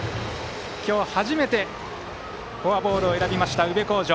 今日初めてフォアボールを選んだ宇部鴻城。